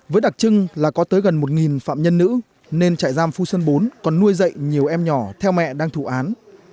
với đặc trưng là có tới gần một phạm nhân nữ nên trại giam phu sơn bốn còn nuôi dạy nhiều em nhỏ theo mẹ đang thụ án